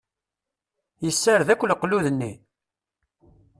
Yessared akk leqlud-nni?